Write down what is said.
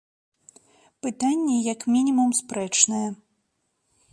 Пытанне, як мінімум, спрэчнае.